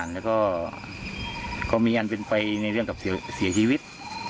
และมีอันเป็นไปด้วยเสียชีวิต